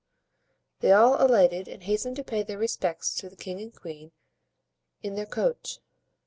They all alighted and hastened to pay their respects to the king and queen in their coach.